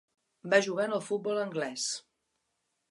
Va jugar en el futbol anglès.